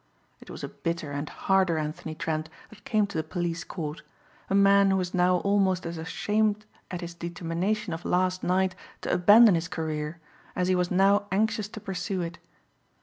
It was a bitter and harder Anthony Trent that came to the police court; a man who was now almost as ashamed at his determination of last night to abandon his career as he was now anxious to pursue it.